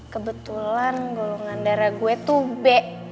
kebetulan golongan darah gue tuh b